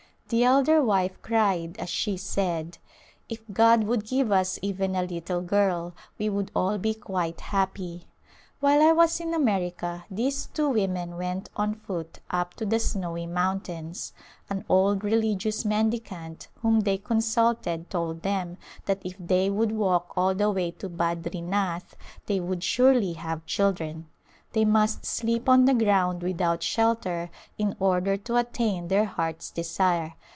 The elder wife cried as she said, " If God would give us even a little girl we would all be quite happy." While I was in America these two women went on foot up to the snowy mountains ; an A Glimpse of India old religious mendicant whom they consulted told them that if they would walk all the way to Badrinath, they would surely have children. They must sleep on the ground without shelter in order to attain their heart's desire.